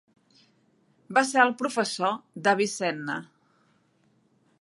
Va ser el professor d'Avicenna.